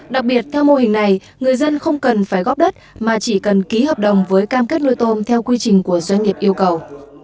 đặc biệt theo mô hình này người dân không cần phải góp đất mà chỉ cần ký hợp đồng với cam kết nuôi tôm theo quy trình của doanh nghiệp yêu cầu